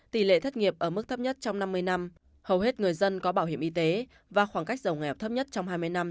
tỷ lệ thất nghiệp ở mức thấp nhất trong năm mươi năm hầu hết người dân có bảo hiểm y tế và khoảng cách giàu nghèo thấp nhất trong hai mươi năm